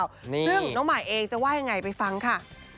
เรื่องน้องหมายเองจะไหว้ยังไงไปฟังค่ะ